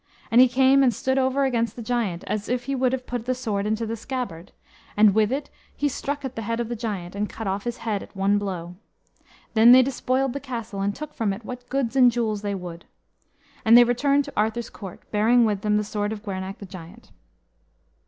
And he came and stood over against the giant, as if he would have put the sword into the scabbard; and with it he struck at the head of the giant, and cut off his head at one blow. Then they despoiled the castle, and took from it what goods and jewels they would. And they returned to Arthur's court, bearing with them the sword of Gwernach the Giant.